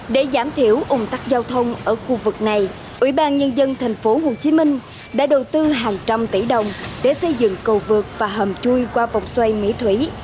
để giảm thiểu ủng tắc giao thông ở khu vực này ủy ban nhân dân tp hcm đã đầu tư hàng trăm tỷ đồng để xây dựng cầu vượt và hầm chui qua vòng xoay mỹ thủy